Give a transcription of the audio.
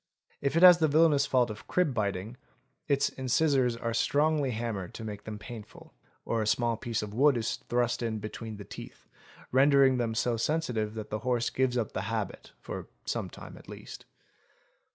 If it has the villainous fault of crib _ biting, its incisors are strongly hammered to make them painful; or a small piece of wood is thrust in between the teeth, rendering them so sensitive that the horse gives up the habit for some time at least.